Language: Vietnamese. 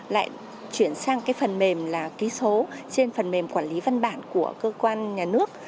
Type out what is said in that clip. lại chuyển sang cái phần mềm là ký số trên phần mềm quản lý văn bản của cơ quan nhà nước